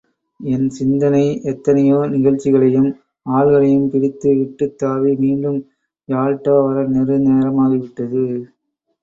என் சிந்தனை, எத்தனையோ நிகழ்ச்சிகளையும், ஆள்களையும் பிடித்து, விட்டுத்தாவி, மீண்டும் யால்டா வர நெடுநேரமாகிவிட்டது.